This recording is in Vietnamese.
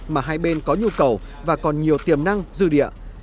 mà hai bên có nhu cầu và còn nhiều tiềm năng dư địa